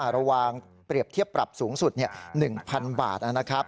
ระวังเปรียบเทียบปรับสูงสุด๑๐๐๐บาทนะครับ